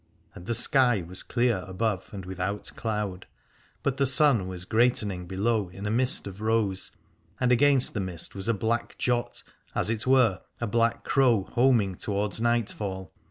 And the sky was 215 Alad ore clear above and without cloud, but the sun was greatening below in a mist of rose : and against the mist was a black jot, as it were a black crow homing towards nightfall.